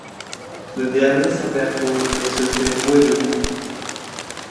Ce dernier s'interpose, mais se fait rouer de coups.